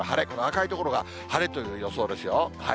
この赤い所が晴れという予想ですよ。